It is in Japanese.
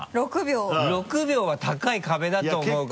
６秒は高い壁だと思うから。